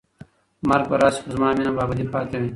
مرګ به راشي خو زما مینه به ابدي پاتې وي.